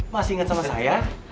masih inget sama saya